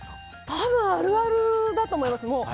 多分あるあるだと思います。